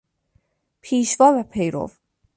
پیشوا و پیرو